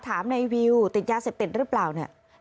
ถามในวิวติดยาเสพติดหรือเปล่าเนี่ย